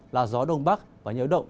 là gió đông bắc và nhiễu động